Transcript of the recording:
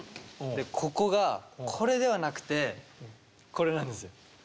でここがこれではなくてこれなんですよ。